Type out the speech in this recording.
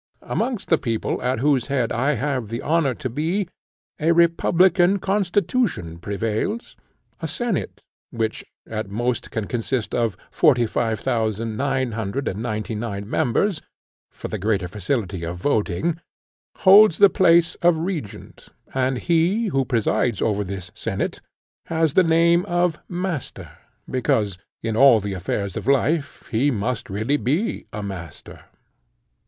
Amongst the people, at whose head I have the honour to be, a republican constitution prevails. A senate, which at most can consist of forty five thousand, nine hundred and ninety nine members, for the greater facility of voting, holds the place of regent; and he, who presides over this senate, has the name of master, because, in all the affairs of life, he must really be a master.